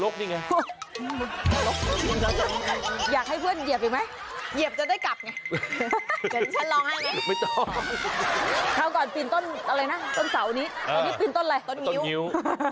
ตอนนี้ปีนต้นอะไรต้นงิ้วต้นงิ้ว